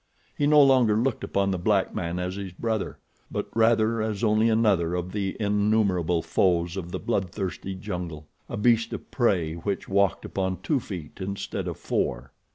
He no longer looked upon the black man as his brother; but rather as only another of the innumerable foes of the bloodthirsty jungle—a beast of prey which walked upon two feet instead of four.